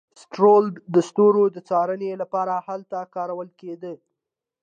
اسټرولاب د ستورو د څارنې لپاره هلته کارول کیده.